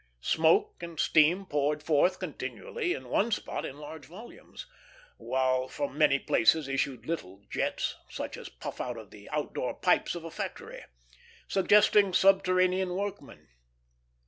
Smoke and steam poured forth continually, in one spot in large volumes; while from many places issued little jets, such as puff from the out door pipes of a factory, suggesting subterranean workmen.